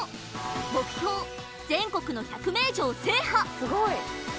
目標全国の百名城制覇！